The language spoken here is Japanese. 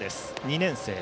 ２年生。